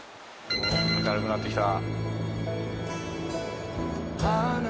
明るくなってきた。